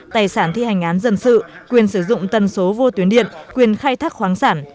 tài sản thi hành án dân sự quyền sử dụng tần số vô tuyến điện quyền khai thác khoáng sản